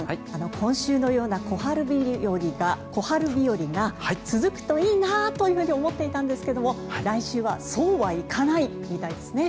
今週のような小春日和が続くといいなと思っていたんですけど来週はそうはいかないみたいですね。